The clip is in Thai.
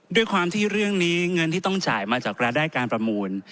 ด้วยความที่เรื่องนี้เงินที่ต้องจ่ายมาจากรายได้การประมูล